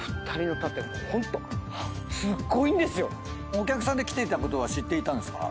お客さんで来ていたことは知っていたんですか？